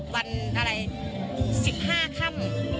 วันอะไร๑๕ค่ำ